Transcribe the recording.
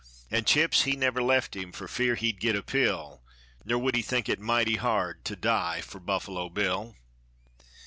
An' Chips he never left him, for fear he'd get a pill; Nor would he think it mighty hard to die for Buffalo Bill.